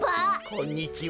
こんにちは。